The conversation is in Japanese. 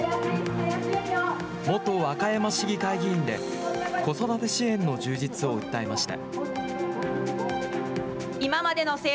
元和歌山市議会議員で子育て支援の充実を訴えました。